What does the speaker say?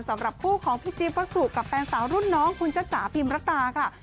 สำหรับคู่ของพี่จิ๊บวัสสุกับแฟนสาวรุ่นน้องคุณจ้าจ๋าพิมรตาค่ะ